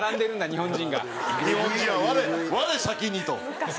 日本人は我先にと。